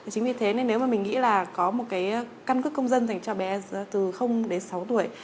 chính vì thế nên nếu mà mình nghĩ là có một cái căn cước công dân dành cho bé từ đến sáu tuổi